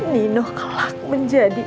nino kelak menjadi